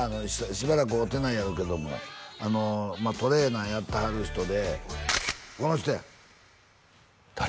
しばらく会うてないやろうけどもあのトレーナーやってはる人でこの人や誰？